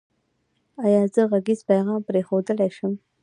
ایا زه غږیز پیغام پریښودلی شم؟